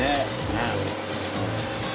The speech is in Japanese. ねっ。